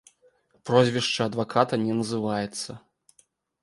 Прозвішча адваката не называецца.